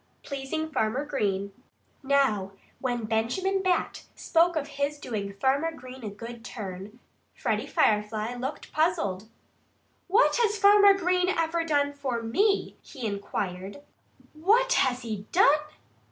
XVIII PLEASING FARMER GREEN Now, when Benjamin Bat spoke of his doing Farmer Green a good turn, Freddie Firefly looked puzzled. "What has Farmer Green ever done for me?" he inquired. "What has he done?"